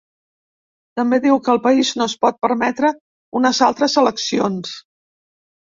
També diu que el país no es pot permetre unes altres eleccions.